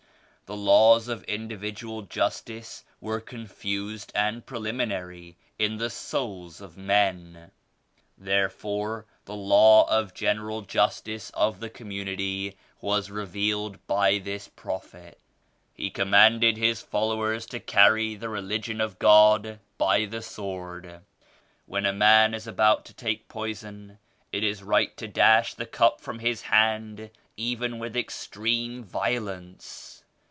The laws of individual justice were con fused and preliminary in the souls of men. Therefore the law of general justice of the com munity was revealed by this Prophet. He com manded His followers to carry the Religion of God by the sword. When a man is about to take poison it is right to dash the cup from his hand even with extreme violence.